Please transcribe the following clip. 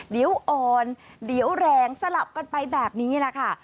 เดี๋ยวอ่อนเดี๋ยวแรงสลับกันไปแบบนี้แหละค่ะ